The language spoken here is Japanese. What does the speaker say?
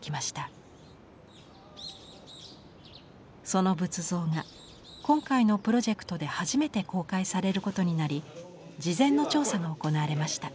その仏像が今回のプロジェクトで初めて公開されることになり事前の調査が行われました。